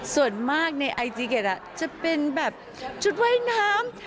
ส่วนมากในไอจีเก็ตจะเป็นแบบชุดว่ายน้ำ